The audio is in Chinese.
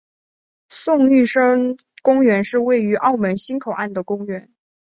宋玉生公园是位于澳门新口岸的公园。